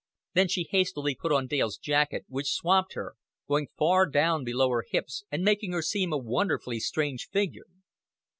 Then she hastily put on Dale's jacket, which swamped her, going far down below her hips and making her seem a wonderfully strange figure.